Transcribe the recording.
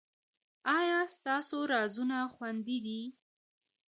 ایا ستاسو رازونه خوندي دي؟